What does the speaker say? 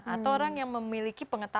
atau orang yang memiliki kelas menengah atas